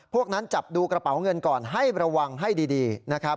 พวกนั้นจับดูกระเป๋าเงินก่อนให้ระวังให้ดีนะครับ